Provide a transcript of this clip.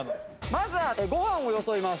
まずはご飯をよそいます。